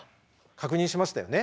確認しましたよね。